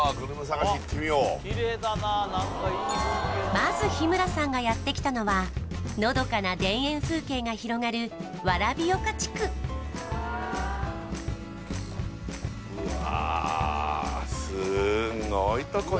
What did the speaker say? まず日村さんがやってきたのはのどかな田園風景が広がる蕨岡地区うわ